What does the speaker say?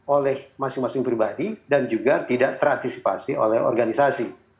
oleh masing masing pribadi dan juga tidak terantisipasi oleh organisasi